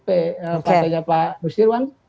partainya pak nusirwan